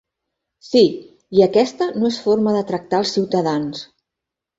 Sí, i aquesta no es forma de tractar als ciutadans!!